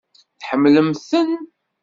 Tḥemmlemt-ten?